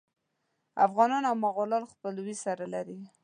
افغانان او مغول خپلوي سره لري.